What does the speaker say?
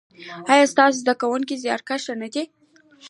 ایا ستاسو زده کونکي زیارکښ نه دي؟